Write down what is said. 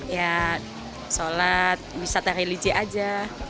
ya sholat wisata religi aja